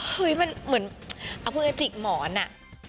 เฮ้ยมันเหมือนเอาพูดกับจิกหมอนอะ